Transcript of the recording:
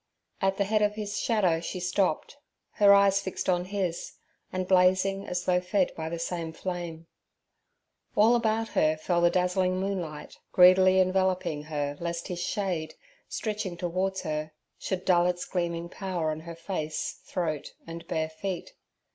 At the head of his shadow she stopped, her eyes fixed on his, and blazing as though fed by the same flame. All about her fell the dazzling moonlight, greedily enveloping her lest his shade, stretching towards her, should dull its gleaming power on her face, throat, and bare feet.